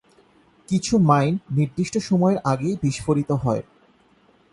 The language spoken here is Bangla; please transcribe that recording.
কিছু মাইন নির্দিষ্ট সময়ের আগেই বিস্ফোরিত হয়।